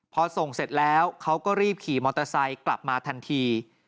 พอส่งเสร็จแล้วเขาก็รีบขี่มอเตอร์ไซค์กลับมาทันที